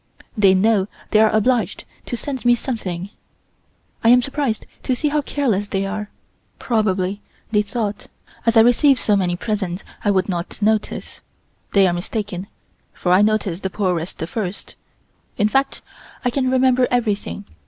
They know they are obliged to send me something. I am surprised to see how careless they are. Probably they thought as I receive so many presents I would not notice. They are mistaken, for I notice the poorest the first, in fact I can remember everything.